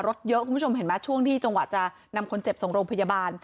รถเยอะคุณผู้ชมเห็นไหมช่วงที่จังหวะจะนำคนเจ็บส่งโรงพยาบาล